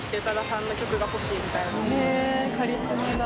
へえカリスマだ。